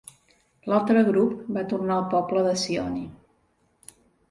L'altre grup va tornar al poble de Sioni.